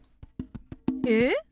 え